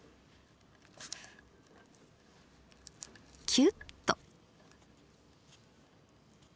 キュッと。